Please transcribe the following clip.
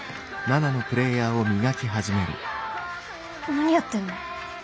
何やってんの？